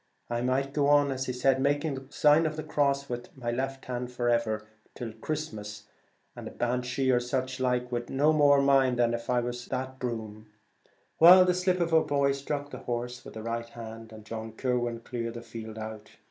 I might go on making the sign of the cross with it, and all that, come Christmas, and a Banshee, or such like, would no more mind than if it was that broom.' Well, the slip of a boy struck the horse with his right hand, and John Kirwan cleared the field out.